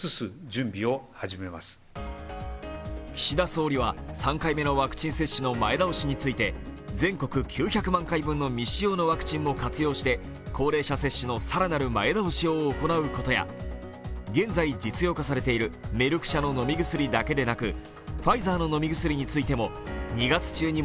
岸田総理は３回目のワクチン接種の前倒しについて全国９００万回分の未使用のワクチンも活用して高齢者接種のさらなる前倒しを行うことや現在実用化されているメルク社の飲み薬だけじゃなく